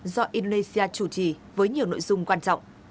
do indonesia chủ trì với nhiều nội dung quan trọng